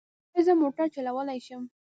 ایا زه موټر چلولی شم؟